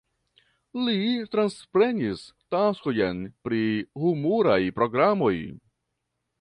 Li transprenis taskojn pri humuraj programoj.